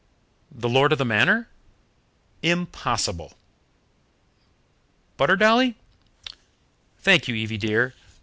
"The lord of the manor." "Impossible." "Butter, Dolly?" "Thank you, Evie dear.